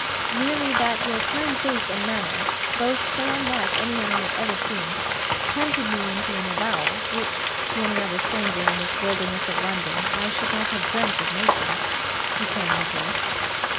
'Merely that your kind face and manner both so unlike any I have ever seen tempted me into an avowal, which, to any other stranger in this wilderness of London, I should not have dreamt of making,' returned Nicholas.